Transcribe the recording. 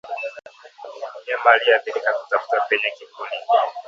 Mnyama aliyeathirika kutafuta penye kivuli